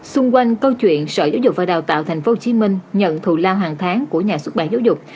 xung quanh câu chuyện sở giáo dục và đào tạo tp hcm nhận thù lao hàng tháng của nhà xuất bản giáo dục